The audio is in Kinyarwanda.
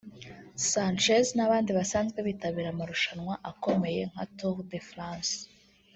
Sanchez n’ abandi basanzwe bitabira amarushanwa akomeye nka Tour de France